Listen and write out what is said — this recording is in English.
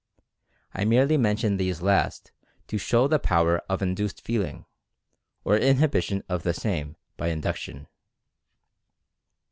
I merely mention these last to show the power of in duced feeling, or inhibition of the same by induction.